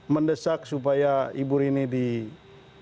mendesak supaya ibu rini diberikan